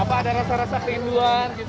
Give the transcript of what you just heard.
apa ada rasa rasa rinduan